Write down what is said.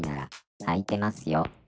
開いてますよ！